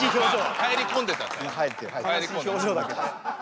入り込んでたんだ。